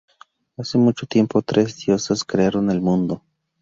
Hace mucho tiempo tres diosas crearon el mundo.